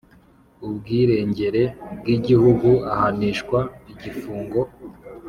ubwirengere bw igihugu ahanishwa igifungo